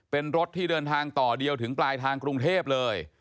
เป็นรถที่เดินทางต่อเดียวถึงปลายทางกรุงเทพเลย